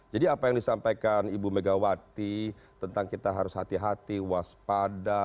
jadi apa yang disampaikan ibu megawati tentang kita harus hati hati waspada